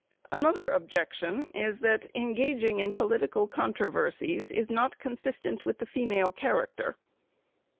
Another objection is that engaging in political controversies is not consistent with the feminine character.